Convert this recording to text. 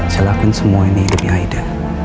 saya lakuin semua ini demi aida